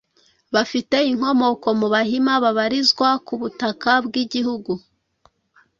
bafite inkomoko ku Bahima babarizwa ku butaka bw’igihugu